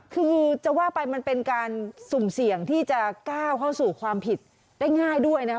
คือจะว่าไปมันเป็นการสุ่มเสี่ยงที่จะก้าวเข้าสู่ความผิดได้ง่ายด้วยนะครับ